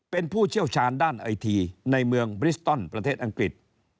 เป็นผู้เชี่ยวชาญด้านไอทีในเมืองบริสตอนประเทศอังกฤษ